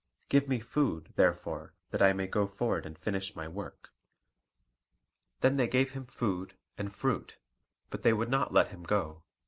Give me food, therefore, that I may go forward and finish my work." Then they gave him food, and fruit, but they would not let him go.